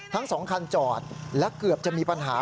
ทั้ง๒คันจอดและเกือบจะมีปัญหา